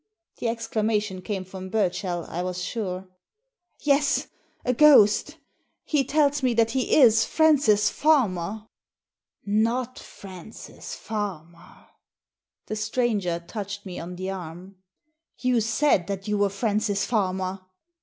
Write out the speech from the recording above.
The exclamation came from Burchell, I was sure. "Yes, a ghost He tells me that he is Francis Farmer." " Not Francis Farmer." The stranger touched me on the arm. You said that you were Francis Farmer."